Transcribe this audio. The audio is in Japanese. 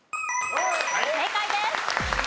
正解です。